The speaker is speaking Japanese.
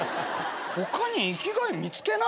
他に生きがい見つけな。